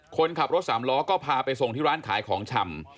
คนขับรถสามล้อก็พาไปส่งที่ร้านขายของชำ